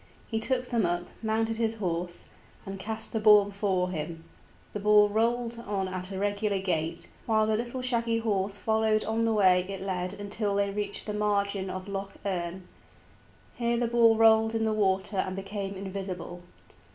He took them up, mounted his horse, and cast the ball before him. The ball rolled on at a regular gait, while the little shaggy horse followed on the way it led until they reached the margin of Lough Erne. Here the ball rolled in the water and became invisible.